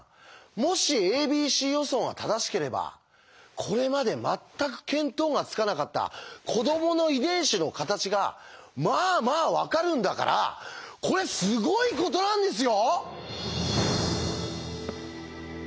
もし「ａｂｃ予想」が正しければこれまで全く見当がつかなかった子どもの遺伝子の形がまあまあ分かるんだからこれすごいことなんですよ！